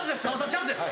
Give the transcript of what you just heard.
チャンスです